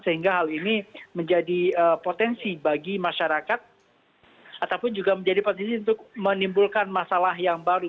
sehingga hal ini menjadi potensi bagi masyarakat ataupun juga menjadi potensi untuk menimbulkan masalah yang baru